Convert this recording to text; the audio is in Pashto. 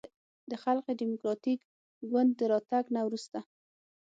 د خلق دیموکراتیک ګوند د راتګ نه وروسته